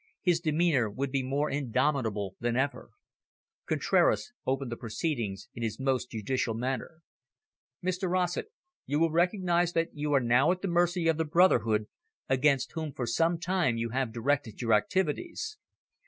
His demeanour would be more indomitable than ever. Contraras opened the proceedings in his most judicial manner. "Mr Rossett, you will recognise that you are now at the mercy of the brotherhood, against whom for some time you have directed your activities."